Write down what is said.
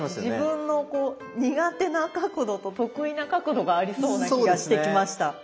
自分の苦手な角度と得意な角度がありそうな気がしてきました。